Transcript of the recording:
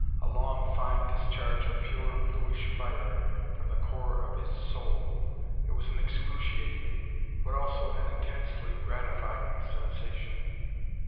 A long fine discharge of pure, bluish fire, from the core of his soul. It was an excruciating, but also an intensely gratifying sensation.